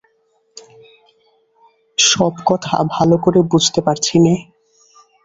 সব কথা ভালো করে বুঝতে পারছি নে।